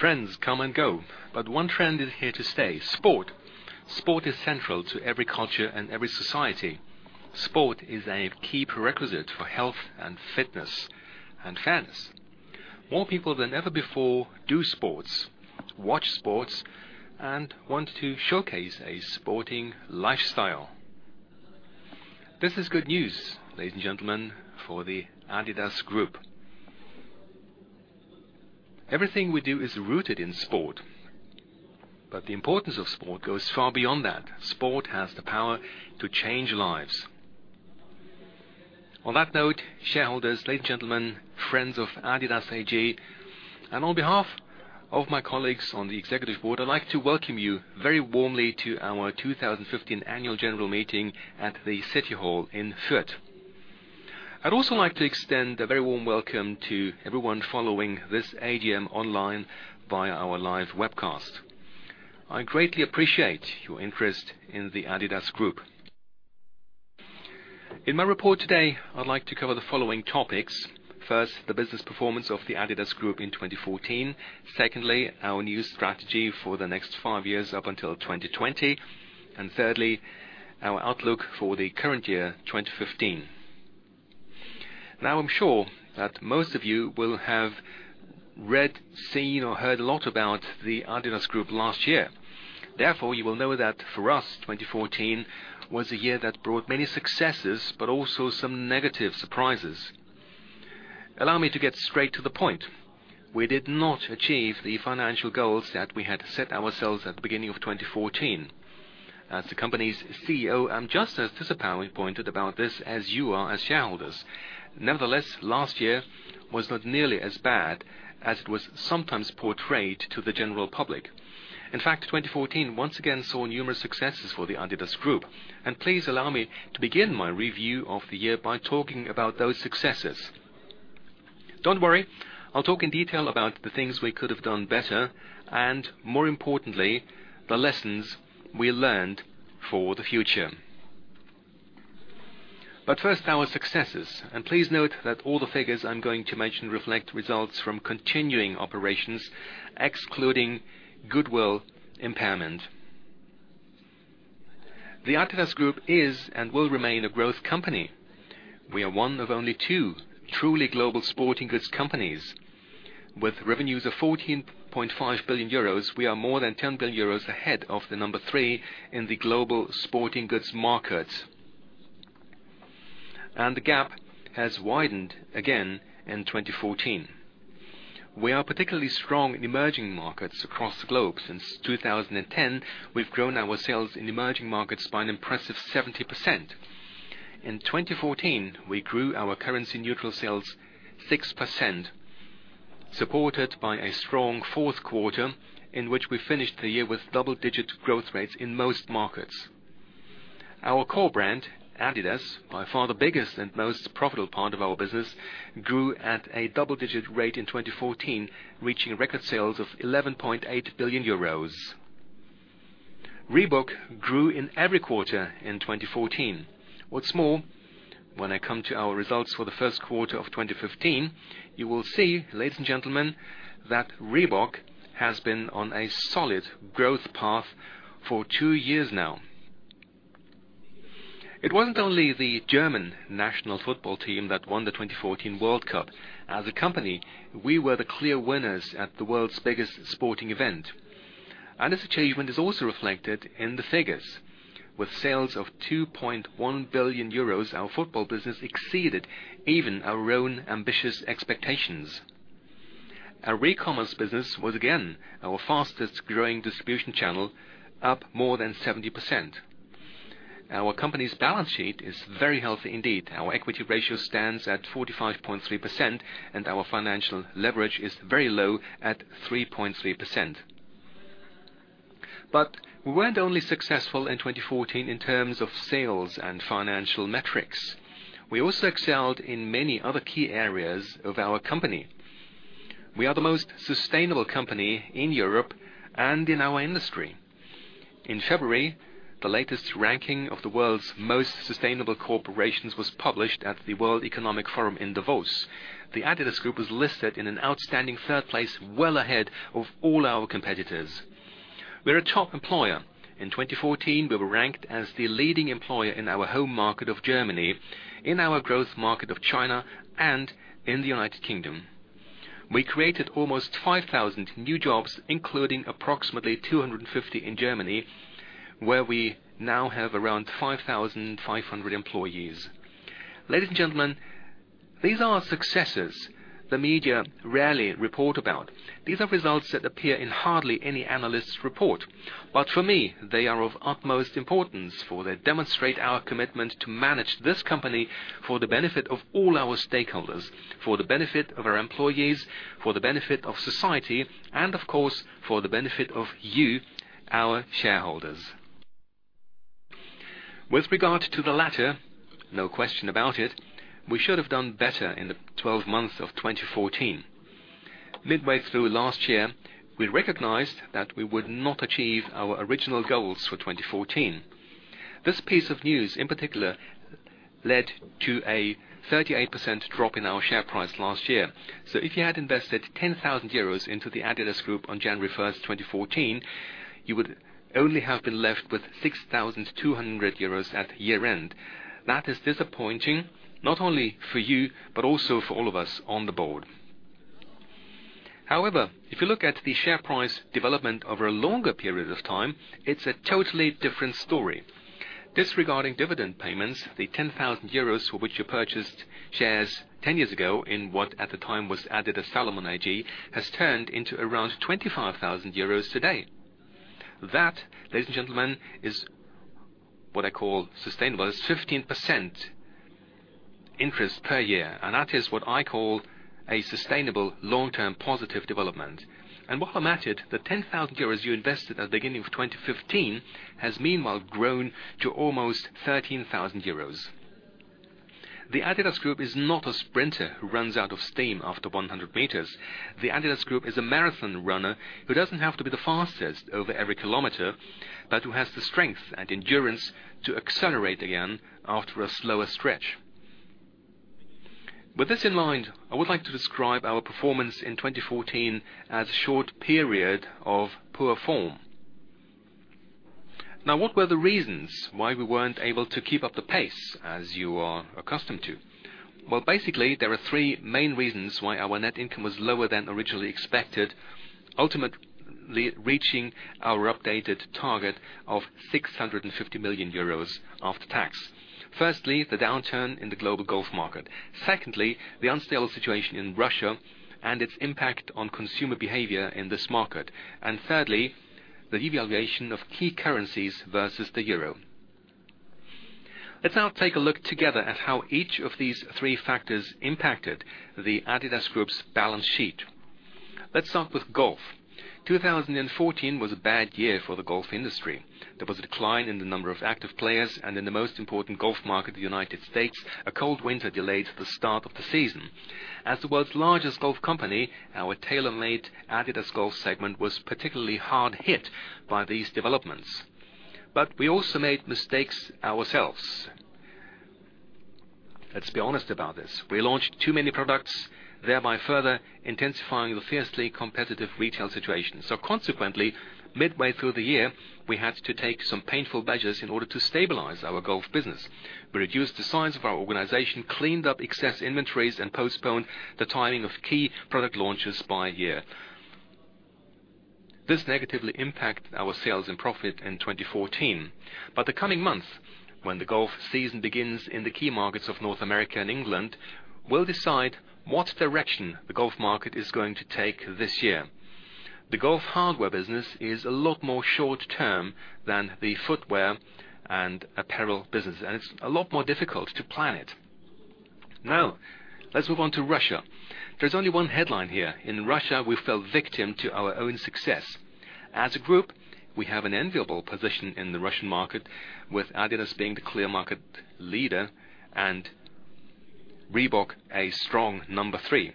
Trends come and go, one trend is here to stay, sport. Sport is central to every culture and every society. Sport is a key prerequisite for health and fitness and fans. More people than ever before do sports, watch sports, and want to showcase a sporting lifestyle. This is good news, ladies and gentlemen, for the adidas Group. Everything we do is rooted in sport, the importance of sport goes far beyond that. Sport has the power to change lives. On that note, shareholders, ladies and gentlemen, friends of adidas AG, on behalf of my colleagues on the executive board, I'd like to welcome you very warmly to our 2015 Annual General Meeting at the City Hall in Fürth. I'd also like to extend a very warm welcome to everyone following this AGM online via our live webcast. I greatly appreciate your interest in the adidas Group. In my report today, I'd like to cover the following topics. First, the business performance of the adidas Group in 2014. Secondly, our new strategy for the next five years up until 2020. Thirdly, our outlook for the current year 2015. I'm sure that most of you will have read, seen, or heard a lot about the adidas Group last year. You will know that for us, 2014 was a year that brought many successes, but also some negative surprises. Allow me to get straight to the point. We did not achieve the financial goals that we had set ourselves at the beginning of 2014. As the company's CEO, I'm just as disappointed about this as you are as shareholders. Nevertheless, last year was not nearly as bad as it was sometimes portrayed to the general public. In fact, 2014 once again saw numerous successes for the adidas Group, please allow me to begin my review of the year by talking about those successes. Don't worry, I'll talk in detail about the things we could have done better, and more importantly, the lessons we learned for the future. First, our successes, please note that all the figures I'm going to mention reflect results from continuing operations, excluding goodwill impairment. The adidas Group is and will remain a growth company. We are one of only two truly global sporting goods companies. With revenues of 14.5 billion euros, we are more than 10 billion euros ahead of the number three in the global sporting goods markets. The gap has widened again in 2014. We are particularly strong in emerging markets across the globe. Since 2010, we've grown our sales in emerging markets by an impressive 70%. In 2014, we grew our currency neutral sales 6%, supported by a strong fourth quarter, in which we finished the year with double-digit growth rates in most markets. Our core brand, adidas, by far the biggest and most profitable part of our business, grew at a double-digit rate in 2014, reaching record sales of 11.8 billion euros. Reebok grew in every quarter in 2014. What's more, when I come to our results for the first quarter of 2015, you will see, ladies and gentlemen, that Reebok has been on a solid growth path for two years now. It wasn't only the German national football team that won the 2014 World Cup. As a company, we were the clear winners at the world's biggest sporting event. This achievement is also reflected in the figures. With sales of 2.1 billion euros, our football business exceeded even our own ambitious expectations. Our e-commerce business was again our fastest growing distribution channel, up more than 70%. Our company's balance sheet is very healthy indeed. Our equity ratio stands at 45.3%, and our financial leverage is very low at 3.3%. We weren't only successful in 2014 in terms of sales and financial metrics. We also excelled in many other key areas of our company. We are the most sustainable company in Europe and in our industry. In February, the latest ranking of the world's most sustainable corporations was published at the World Economic Forum in Davos. The adidas Group was listed in an outstanding third place, well ahead of all our competitors. We're a top employer. In 2014, we were ranked as the leading employer in our home market of Germany, in our growth market of China, and in the United Kingdom. We created almost 5,000 new jobs, including approximately 250 in Germany, where we now have around 5,500 employees. Ladies and gentlemen, these are successes the media rarely report about. These are results that appear in hardly any analyst report. For me, they are of utmost importance, for they demonstrate our commitment to manage this company for the benefit of all our stakeholders, for the benefit of our employees, for the benefit of society, and of course, for the benefit of you, our shareholders. With regard to the latter, no question about it, we should have done better in the 12 months of 2014. Midway through last year, we recognized that we would not achieve our original goals for 2014. This piece of news, in particular, led to a 38% drop in our share price last year. If you had invested 10,000 euros into the adidas Group on January 1st, 2014, you would only have been left with 6,200 euros at year-end. That is disappointing, not only for you, but also for all of us on the board. If you look at the share price development over a longer period of time, it's a totally different story. Disregarding dividend payments, the 10,000 euros for which you purchased shares 10 years ago in what at the time was adidas-Salomon AG, has turned into around 25,000 euros today. That, ladies and gentlemen, is what I call sustainable. It's 15% interest per year, and that is what I call a sustainable long-term positive development. While I'm at it, the 10,000 euros you invested at the beginning of 2015 has meanwhile grown to almost 13,000 euros. The adidas Group is not a sprinter who runs out of steam after 100 meters. The adidas Group is a marathon runner who doesn't have to be the fastest over every kilometer, but who has the strength and endurance to accelerate again after a slower stretch. With this in mind, I would like to describe our performance in 2014 as a short period of poor form. What were the reasons why we weren't able to keep up the pace as you are accustomed to? Basically, there are three main reasons why our net income was lower than originally expected, ultimately reaching our updated target of 650 million euros after tax. Firstly, the downturn in the global golf market. Secondly, the unstable situation in Russia and its impact on consumer behavior in this market. Thirdly, the devaluation of key currencies versus the euro. Let's now take a look together at how each of these three factors impacted the adidas Group's balance sheet. Let's start with golf. 2014 was a bad year for the golf industry. There was a decline in the number of active players, and in the most important golf market in the U.S., a cold winter delayed the start of the season. As the world's largest golf company, our TaylorMade-adidas Golf segment was particularly hard hit by these developments. We also made mistakes ourselves. Let's be honest about this. We launched too many products, thereby further intensifying the fiercely competitive retail situation. Consequently, midway through the year, we had to take some painful measures in order to stabilize our golf business. We reduced the size of our organization, cleaned up excess inventories, and postponed the timing of key product launches by a year. This negatively impacted our sales and profit in 2014. The coming months, when the golf season begins in the key markets of North America and England, will decide what direction the golf market is going to take this year. The golf hardware business is a lot more short-term than the footwear and apparel business, and it's a lot more difficult to plan it. Now, let's move on to Russia. There's only one headline here. In Russia, we fell victim to our own success. As a group, we have an enviable position in the Russian market, with adidas being the clear market leader and Reebok a strong number three.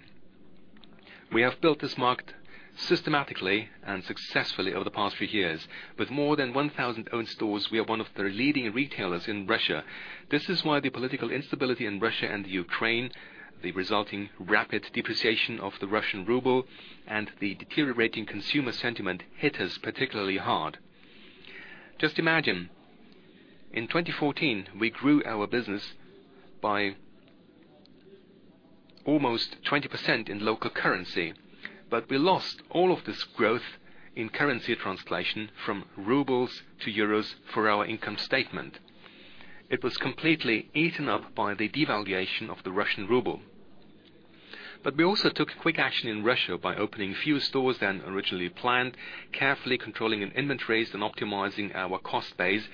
We have built this market systematically and successfully over the past few years. With more than 1,000 own stores, we are one of the leading retailers in Russia. This is why the political instability in Russia and Ukraine, the resulting rapid depreciation of the Russian ruble, and the deteriorating consumer sentiment hit us particularly hard. Just imagine, in 2014, we grew our business by almost 20% in local currency, we lost all of this growth in currency translation from rubles to EUR for our income statement. It was completely eaten up by the devaluation of the Russian ruble. We also took quick action in Russia by opening fewer stores than originally planned, carefully controlling inventories, and optimizing our cost base.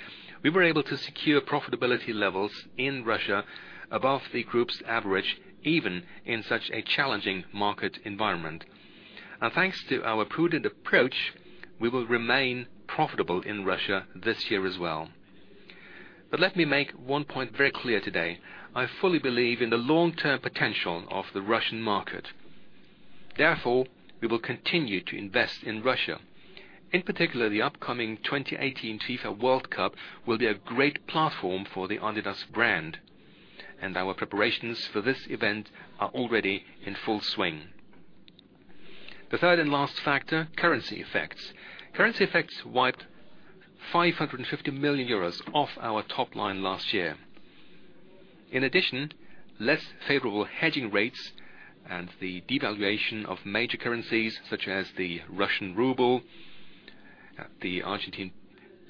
We were able to secure profitability levels in Russia above the group's average, even in such a challenging market environment. Thanks to our prudent approach, we will remain profitable in Russia this year as well. Let me make one point very clear today. I fully believe in the long-term potential of the Russian market. Therefore, we will continue to invest in Russia. In particular, the upcoming 2018 FIFA World Cup will be a great platform for the adidas brand, and our preparations for this event are already in full swing. The third and last factor, currency effects. Currency effects wiped 550 million euros off our top line last year. In addition, less favorable hedging rates and the devaluation of major currencies such as the Russian ruble, the Argentine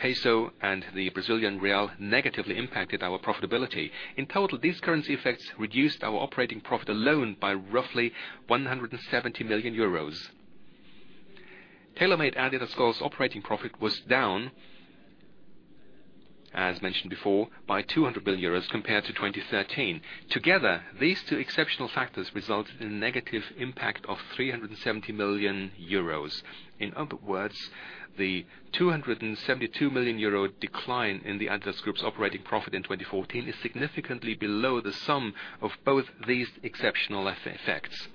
peso, and the Brazilian real negatively impacted our profitability. In total, these currency effects reduced our operating profit alone by roughly 170 million euros. TaylorMade-adidas Golf's operating profit was down, as mentioned before, by 200 million euros compared to 2013. Together, these two exceptional factors resulted in a negative impact of 370 million euros. In other words, the 272 million euro decline in the adidas Group's operating profit in 2014 is significantly below the sum of both these exceptional effects.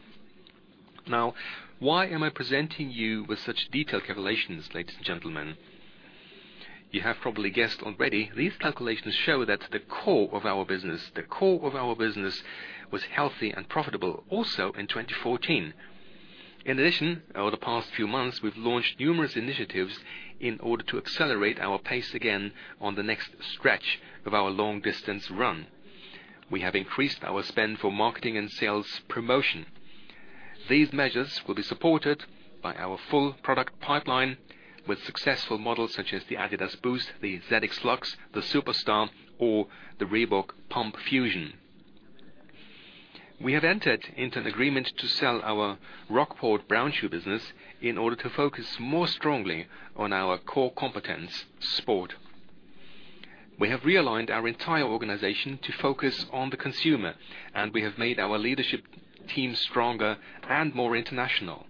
Why am I presenting you with such detailed calculations, ladies and gentlemen? You have probably guessed already. These calculations show that the core of our business was healthy and profitable also in 2014. In addition, over the past few months, we've launched numerous initiatives in order to accelerate our pace again on the next stretch of our long-distance run. We have increased our spend for marketing and sales promotion. These measures will be supported by our full product pipeline with successful models such as the adidas Boost, the ZX Flux, the Superstar, or the Reebok ZPump Fusion. We have entered into an agreement to sell our Rockport brown shoe business in order to focus more strongly on our core competence, sport. We have realigned our entire organization to focus on the consumer, and we have made our leadership team stronger and more international.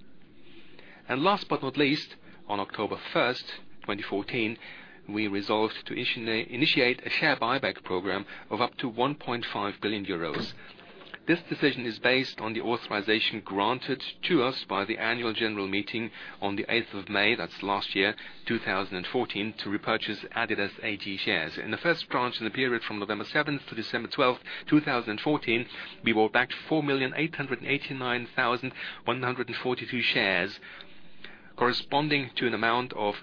Last but not least, on October 1, 2014, we resolved to initiate a share buyback program of up to 1.5 billion euros. This decision is based on the authorization granted to us by the annual general meeting on May 8, that's last year, 2014, to repurchase adidas AG shares. In the first tranche in the period from November 7 to December 12, 2014, we bought back 4,889,142 shares, corresponding to an amount of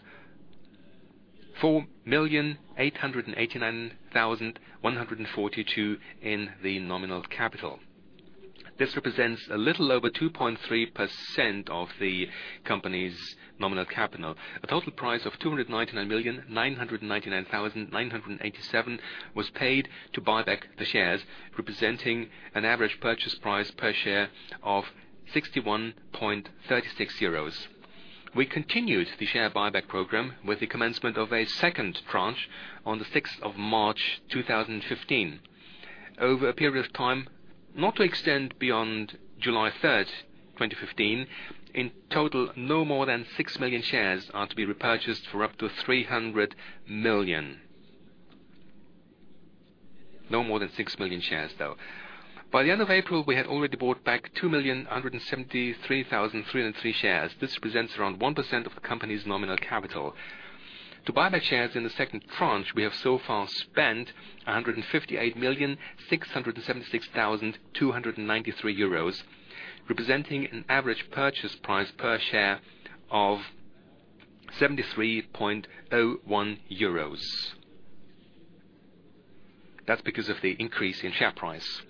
4,889,142 in the nominal capital. This represents a little over 2.3% of the company's nominal capital. A total price of 299,999,987 was paid to buy back the shares, representing an average purchase price per share of 61.36 euros. We continued the share buyback program with the commencement of a second tranche on March 6, 2015. Over a period of time, not to extend beyond July 3, 2015, in total, no more than 6 million shares are to be repurchased for up to 300 million. No more than 6 million shares, though. By the end of April, we had already bought back 2,173,303 shares. This represents around 1% of the company's nominal capital. To buy back shares in the second tranche, we have so far spent 158,676,293 euros, representing an average purchase price per share of EUR 73.01. That's because of the increase in share price.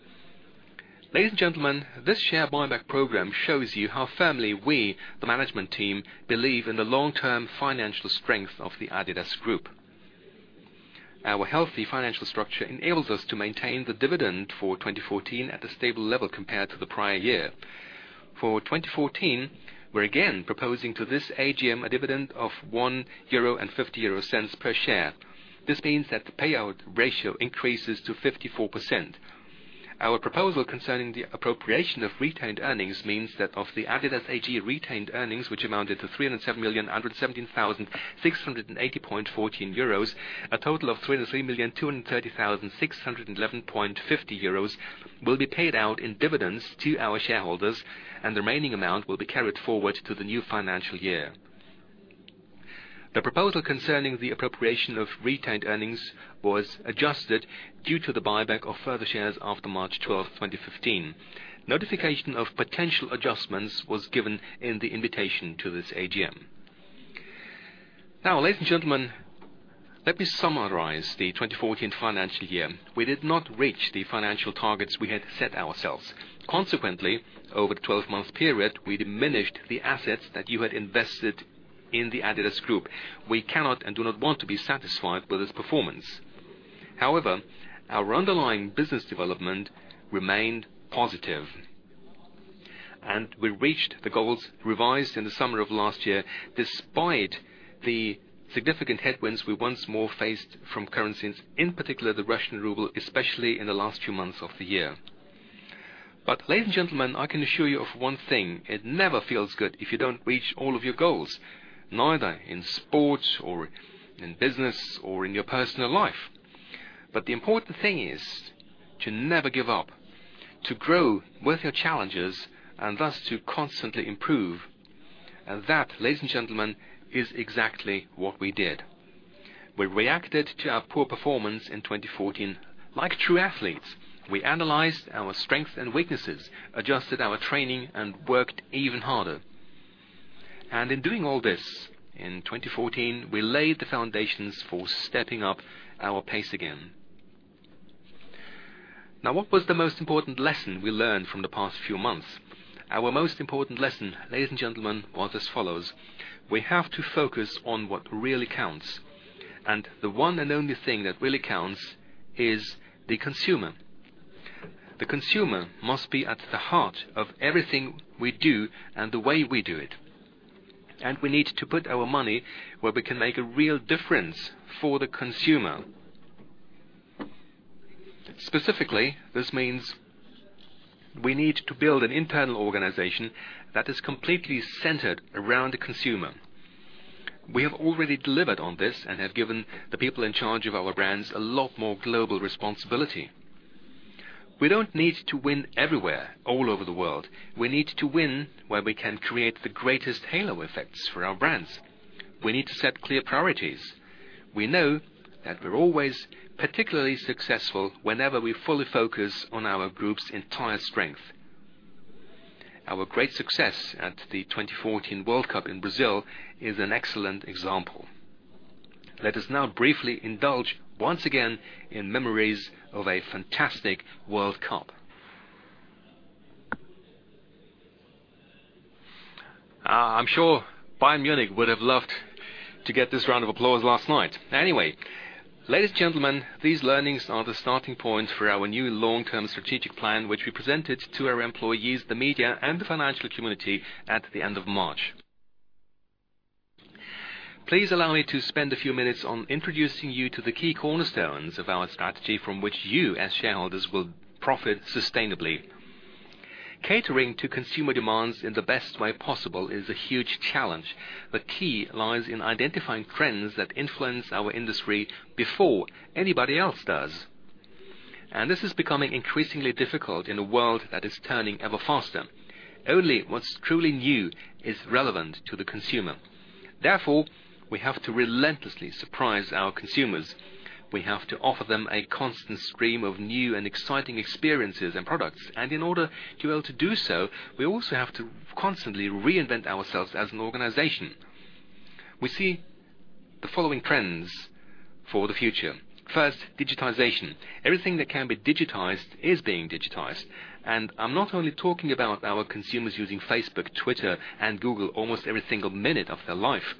Ladies and gentlemen, this share buyback program shows you how firmly we, the management team, believe in the long-term financial strength of the adidas Group. Our healthy financial structure enables us to maintain the dividend for 2014 at a stable level compared to the prior year. For 2014, we're again proposing to this AGM a dividend of 1.50 euro per share. This means that the payout ratio increases to 54%. Our proposal concerning the appropriation of retained earnings means that of the adidas AG retained earnings, which amounted to 307,117,680.14 euros, a total of 303,230,611.50 euros will be paid out in dividends to our shareholders, and the remaining amount will be carried forward to the new financial year. The proposal concerning the appropriation of retained earnings was adjusted due to the buyback of further shares after March 12, 2015. Notification of potential adjustments was given in the invitation to this AGM. Ladies and gentlemen, let me summarize the 2014 financial year. We did not reach the financial targets we had set ourselves. Consequently, over the 12-month period, we diminished the assets that you had invested in the adidas Group. We cannot and do not want to be satisfied with this performance. However, our underlying business development remained positive, and we reached the goals revised in the summer of last year, despite the significant headwinds we once more faced from currencies, in particular, the Russian ruble, especially in the last few months of the year. Ladies and gentlemen, I can assure you of one thing, it never feels good if you don't reach all of your goals, neither in sports or in business or in your personal life. The important thing is to never give up, to grow with your challenges and thus to constantly improve. That, ladies and gentlemen, is exactly what we did. We reacted to our poor performance in 2014 like true athletes. We analyzed our strengths and weaknesses, adjusted our training, and worked even harder. In doing all this, in 2014, we laid the foundations for stepping up our pace again. Now, what was the most important lesson we learned from the past few months? Our most important lesson, ladies and gentlemen, was as follows: We have to focus on what really counts. The one and only thing that really counts is the consumer. The consumer must be at the heart of everything we do and the way we do it. We need to put our money where we can make a real difference for the consumer. Specifically, this means we need to build an internal organization that is completely centered around the consumer. We have already delivered on this and have given the people in charge of our brands a lot more global responsibility. We don't need to win everywhere all over the world. We need to win where we can create the greatest halo effects for our brands. We need to set clear priorities. We know that we're always particularly successful whenever we fully focus on our group's entire strength. Our great success at the 2014 World Cup in Brazil is an excellent example. Let us now briefly indulge once again in memories of a fantastic World Cup. I'm sure Bayern Munich would have loved to get this round of applause last night. Anyway, ladies and gentlemen, these learnings are the starting point for our new long-term strategic plan, which we presented to our employees, the media, and the financial community at the end of March. Please allow me to spend a few minutes on introducing you to the key cornerstones of our strategy from which you, as shareholders, will profit sustainably. Catering to consumer demands in the best way possible is a huge challenge. The key lies in identifying trends that influence our industry before anybody else does. This is becoming increasingly difficult in a world that is turning ever faster. Only what's truly new is relevant to the consumer. Therefore, we have to relentlessly surprise our consumers. We have to offer them a constant stream of new and exciting experiences and products. In order to be able to do so, we also have to constantly reinvent ourselves as an organization. We see the following trends for the future. First, digitization. Everything that can be digitized is being digitized. I'm not only talking about our consumers using Facebook, Twitter, and Google almost every single minute of their life.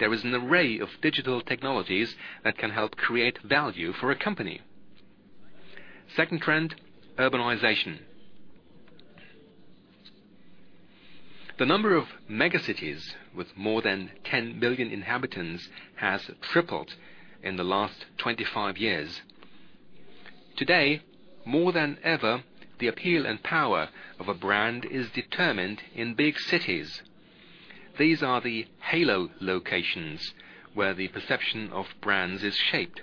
There is an array of digital technologies that can help create value for a company. Second trend, urbanization. The number of mega cities with more than 10 million inhabitants has tripled in the last 25 years. Today, more than ever, the appeal and power of a brand is determined in big cities. These are the halo locations where the perception of brands is shaped.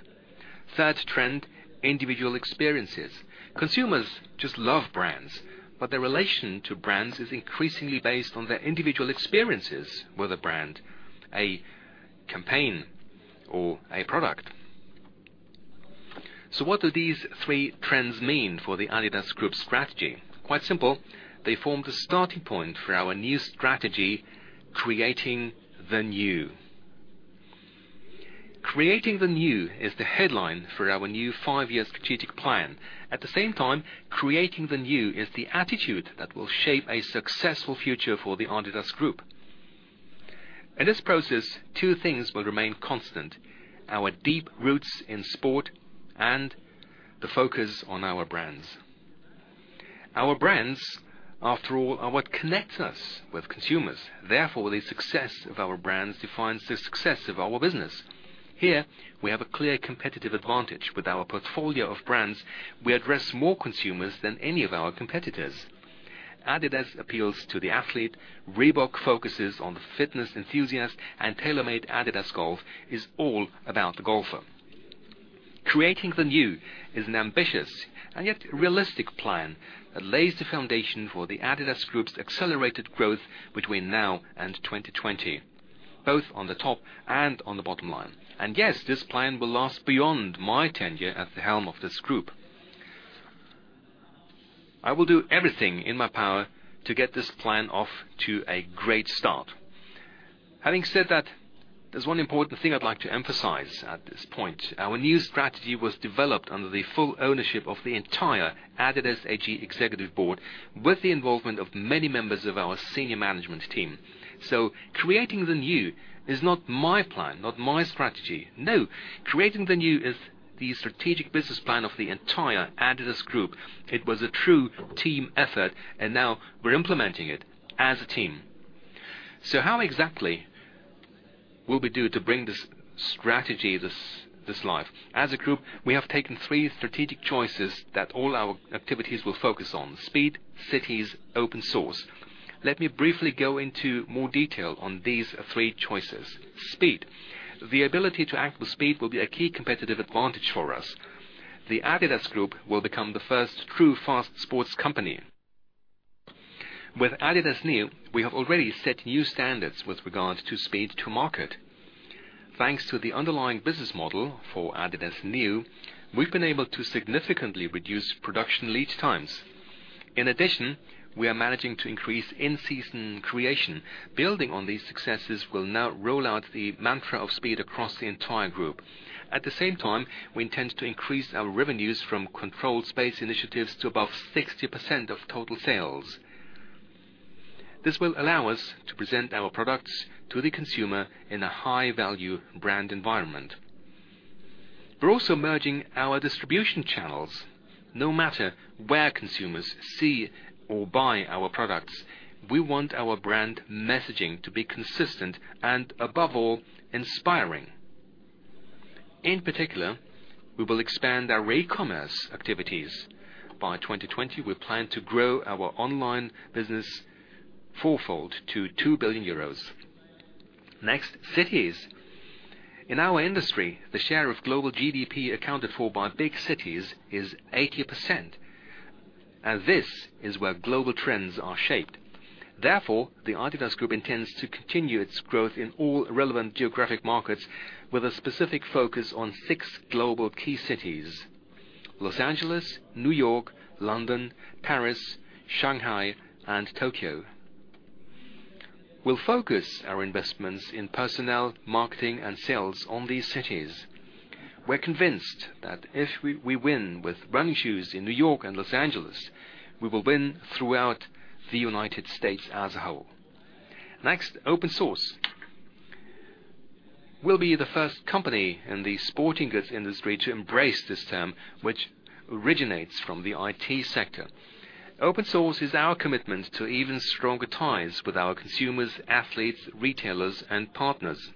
Third trend, individual experiences. Consumers just love brands, but their relation to brands is increasingly based on their individual experiences with a brand, a campaign, or a product. What do these three trends mean for the adidas Group strategy? Quite simple. They form the starting point for our new strategy, Creating the New. Creating the New is the headline for our new five-year strategic plan. At the same time, Creating the New is the attitude that will shape a successful future for the adidas Group. In this process, two things will remain constant: our deep roots in sport and the focus on our brands. Our brands, after all, are what connects us with consumers. Therefore, the success of our brands defines the success of our business. Here, we have a clear competitive advantage. With our portfolio of brands, we address more consumers than any of our competitors. Adidas appeals to the athlete, Reebok focuses on the fitness enthusiast, and TaylorMade-adidas Golf is all about the golfer. Creating the New is an ambitious and yet realistic plan that lays the foundation for the adidas Group's accelerated growth between now and 2020, both on the top and on the bottom line. Yes, this plan will last beyond my tenure at the helm of this group. I will do everything in my power to get this plan off to a great start. Having said that, there's one important thing I'd like to emphasize at this point. Our new strategy was developed under the full ownership of the entire Adidas AG executive board with the involvement of many members of our senior management team. Creating the New is not my plan, not my strategy. No, Creating the New is the strategic business plan of the entire adidas Group. It was a true team effort, and now we're implementing it as a team. How exactly will we do to bring this strategy this life? As a group, we have taken three strategic choices that all our activities will focus on: speed, cities, Open Source. Let me briefly go into more detail on these three choices. Speed. The ability to act with speed will be a key competitive advantage for us. The adidas Group will become the first true fast sports company. With adidas NEO, we have already set new standards with regard to speed to market. Thanks to the underlying business model for adidas NEO, we've been able to significantly reduce production lead times. In addition, we are managing to increase in-season creation. Building on these successes, we'll now roll out the mantra of speed across the entire group. At the same time, we intend to increase our revenues from controlled space initiatives to above 60% of total sales. This will allow us to present our products to the consumer in a high-value brand environment. We're also merging our distribution channels. No matter where consumers see or buy our products, we want our brand messaging to be consistent and above all, inspiring. In particular, we will expand our re-commerce activities. By 2020, we plan to grow our online business fourfold to 2 billion euros. Next, cities. In our industry, the share of global GDP accounted for by big cities is 80%, and this is where global trends are shaped. Therefore, the adidas Group intends to continue its growth in all relevant geographic markets with a specific focus on six global key cities: Los Angeles, New York, London, Paris, Shanghai, and Tokyo. We'll focus our investments in personnel, marketing, and sales on these cities. We're convinced that if we win with running shoes in New York and Los Angeles, we will win throughout the United States as a whole. Next, Open Source. We'll be the first company in the sporting goods industry to embrace this term, which originates from the IT sector. Open Source is our commitment to even stronger ties with our consumers, athletes, retailers, and partners,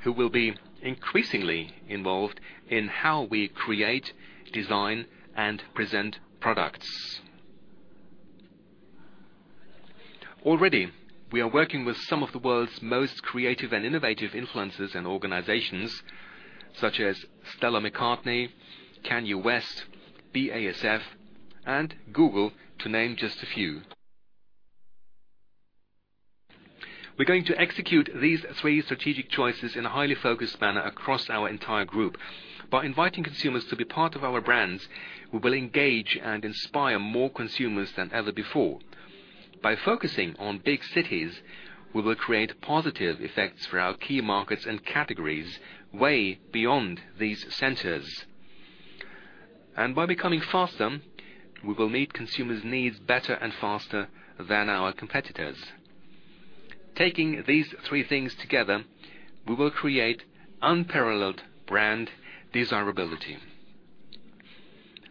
who will be increasingly involved in how we create, design, and present products. Already, we are working with some of the world's most creative and innovative influencers and organizations, such as Stella McCartney, Kanye West, BASF, and Google, to name just a few. We're going to execute these three strategic choices in a highly focused manner across our entire Group. By inviting consumers to be part of our brands, we will engage and inspire more consumers than ever before. By focusing on big cities, we will create positive effects for our key markets and categories way beyond these centers. By becoming faster, we will meet consumers' needs better and faster than our competitors. Taking these three things together, we will create unparalleled brand desirability.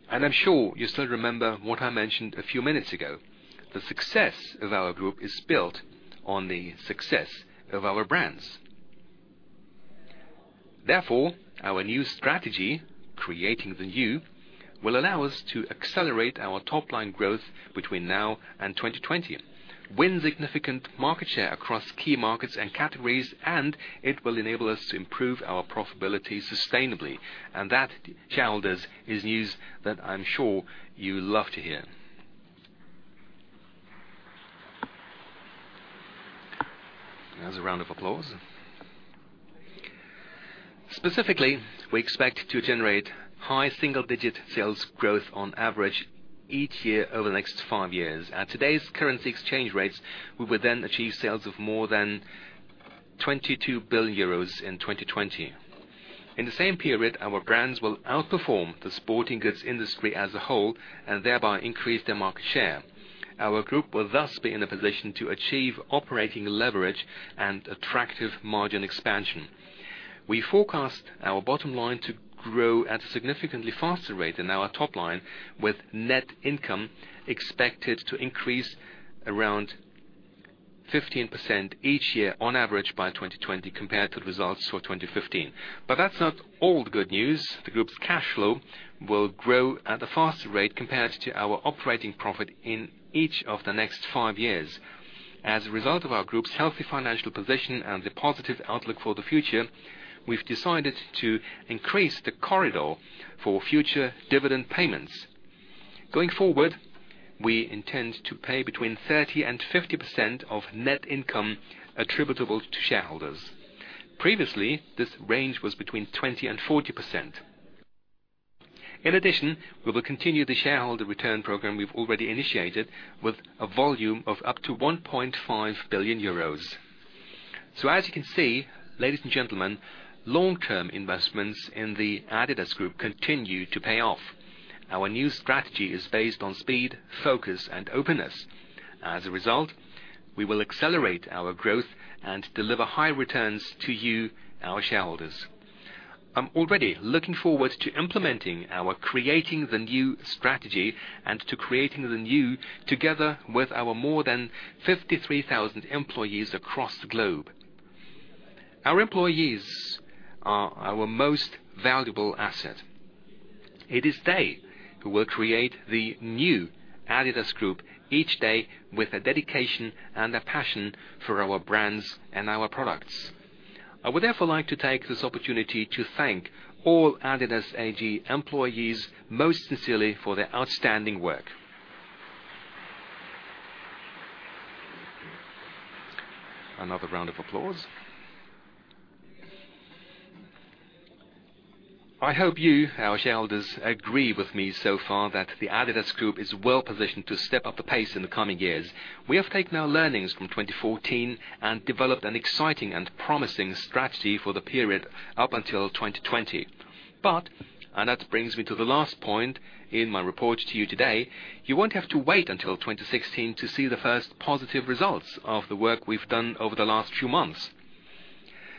I'm sure you still remember what I mentioned a few minutes ago. The success of our Group is built on the success of our brands. Therefore, our new strategy, Creating the New, will allow us to accelerate our top-line growth between now and 2020, win significant market share across key markets and categories, and it will enable us to improve our profitability sustainably. That, shareholders, is news that I'm sure you love to hear. There's a round of applause. Specifically, we expect to generate high single-digit sales growth on average each year over the next five years. At today's currency exchange rates, we will then achieve sales of more than 22 billion euros in 2020. In the same period, our brands will outperform the sporting goods industry as a whole and thereby increase their market share. Our Group will thus be in a position to achieve operating leverage and attractive margin expansion. We forecast our bottom line to grow at a significantly faster rate than our top line, with net income expected to increase around 15% each year on average by 2020 compared to the results for 2015. That's not all the good news. The Group's cash flow will grow at a faster rate compared to our operating profit in each of the next five years. As a result of our Group's healthy financial position and the positive outlook for the future, we've decided to increase the corridor for future dividend payments. Going forward, we intend to pay between 30% and 50% of net income attributable to shareholders. Previously, this range was between 20% and 40%. In addition, we will continue the shareholder return program we've already initiated with a volume of up to 1.5 billion euros. As you can see, ladies and gentlemen, long-term investments in the adidas Group continue to pay off. Our new strategy is based on speed, focus, and openness. As a result, we will accelerate our growth and deliver high returns to you, our shareholders. I'm already looking forward to implementing our Creating the New strategy and to creating the new together with our more than 53,000 employees across the globe. Our employees are our most valuable asset. It is they who will create the new adidas Group each day with a dedication and a passion for our brands and our products. I would therefore like to take this opportunity to thank all adidas AG employees most sincerely for their outstanding work. Another round of applause. I hope you, our shareholders, agree with me so far that the adidas Group is well-positioned to step up the pace in the coming years. We have taken our learnings from 2014 and developed an exciting and promising strategy for the period up until 2020. That brings me to the last point in my report to you today, you won't have to wait until 2016 to see the first positive results of the work we've done over the last few months.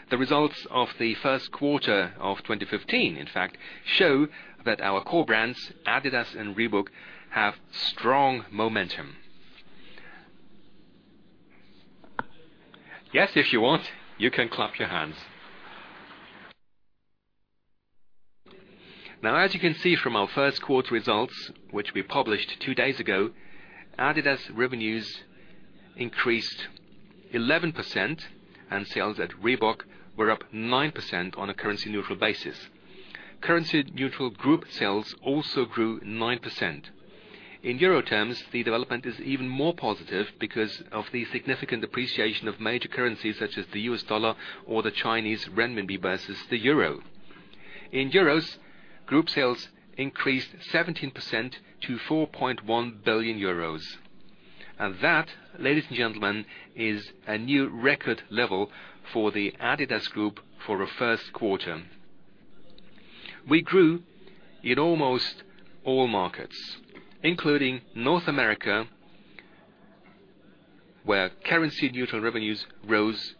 The results of the first quarter of 2015, in fact, show that our core brands, adidas and Reebok, have strong momentum. Yes, if you want, you can clap your hands. As you can see from our first quarter results, which we published two days ago, adidas revenues increased 11% and sales at Reebok were up 9% on a currency neutral basis. Currency neutral group sales also grew 9%. In EUR terms, the development is even more positive because of the significant appreciation of major currencies such as the U.S. dollar or the Chinese renminbi versus the EUR. In EUR, group sales increased 17% to 4.1 billion euros. That, ladies and gentlemen, is a new record level for the adidas Group for a first quarter. We grew in almost all markets, including North America, where currency neutral revenues rose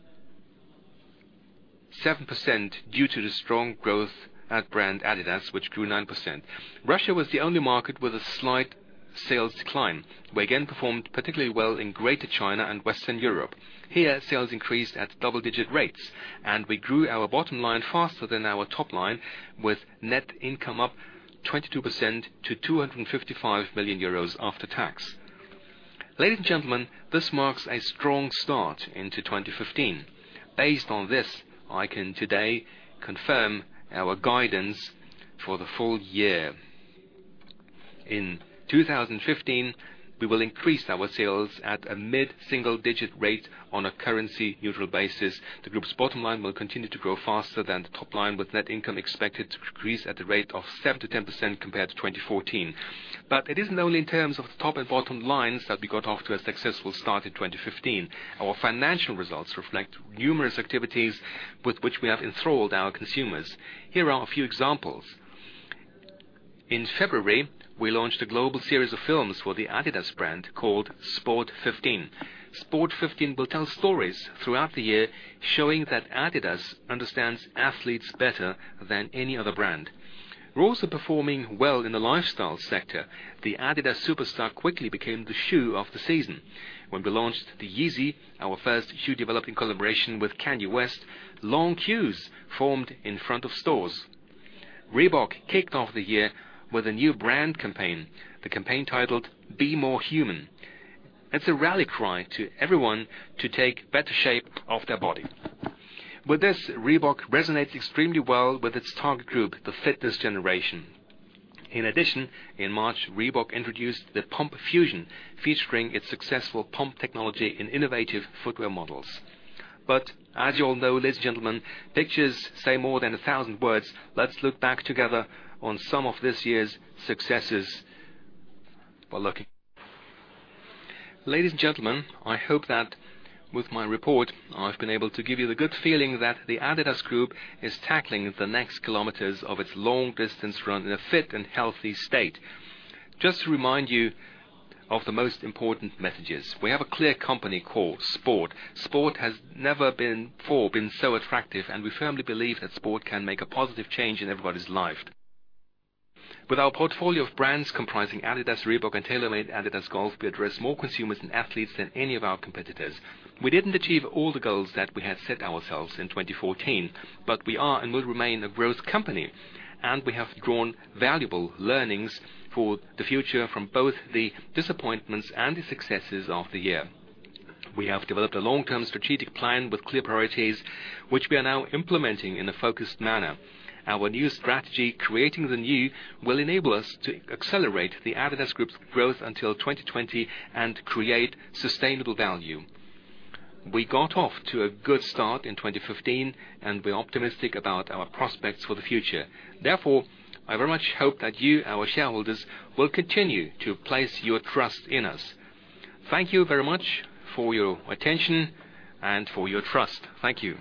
7% due to the strong growth at brand adidas, which grew 9%. Russia was the only market with a slight sales decline. We again performed particularly well in Greater China and Western Europe. Here, sales increased at double-digit rates, and we grew our bottom line faster than our top line, with net income up 22% to 255 million euros after tax. Ladies and gentlemen, this marks a strong start into 2015. Based on this, I can today confirm our guidance for the full year. In 2015, we will increase our sales at a mid-single digit rate on a currency neutral basis. The group's bottom line will continue to grow faster than the top line, with net income expected to increase at the rate of 7%-10% compared to 2014. It isn't only in terms of the top and bottom lines that we got off to a successful start in 2015. Our financial results reflect numerous activities with which we have enthralled our consumers. Here are a few examples. In February, we launched a global series of films for the adidas brand called Sport 15. Sport 15 will tell stories throughout the year showing that adidas understands athletes better than any other brand. We're also performing well in the lifestyle sector. The adidas Superstar quickly became the shoe of the season. When we launched the Yeezy, our first shoe development collaboration with Kanye West, long queues formed in front of stores. Reebok kicked off the year with a new brand campaign, the campaign titled "Be More Human." It's a rally cry to everyone to take better shape of their body. With this, Reebok resonates extremely well with its target group, the fitness generation. In addition, in March, Reebok introduced the ZPump Fusion, featuring its successful pump technology in innovative footwear models. As you all know, ladies and gentlemen, pictures say more than 1,000 words. Let's look back together on some of this year's successes. Well, look. Ladies and gentlemen, I hope that with my report, I've been able to give you the good feeling that the adidas Group is tackling the next kilometers of its long-distance run in a fit and healthy state. Just to remind you of the most important messages. We have a clear company core, sport. Sport has never before been so attractive, and we firmly believe that sport can make a positive change in everybody's life. With our portfolio of brands comprising adidas, Reebok, and TaylorMade adidas Golf, we address more consumers and athletes than any of our competitors. We didn't achieve all the goals that we had set ourselves in 2014. We are and will remain a growth company, and we have drawn valuable learnings for the future from both the disappointments and the successes of the year. We have developed a long-term strategic plan with clear priorities, which we are now implementing in a focused manner. Our new strategy, Creating the New, will enable us to accelerate the adidas Group's growth until 2020 and create sustainable value. We got off to a good start in 2015, and we're optimistic about our prospects for the future. Therefore, I very much hope that you, our shareholders, will continue to place your trust in us. Thank you very much for your attention and for your trust. Thank you.